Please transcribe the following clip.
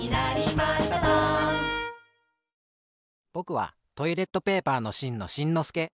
ぼくはトイレットペーパーのしんのしんのすけ。